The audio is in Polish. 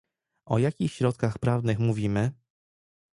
O jakich środkach prawnych mówimy?